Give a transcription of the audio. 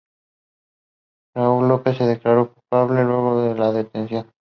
Raúl López se declaró culpable luego de la detención.